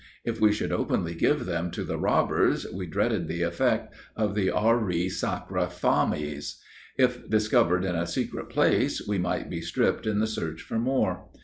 If we should openly give them to the robbers, we dreaded the effect of the auri sacra fames. If discovered in a secret place, we might be stripped in the search for more.